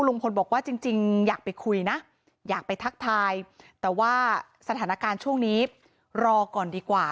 ลุงพลบอกว่าจริงอยากไปคุยนะอยากไปทักทายแต่ว่าสถานการณ์ช่วงนี้รอก่อนดีกว่า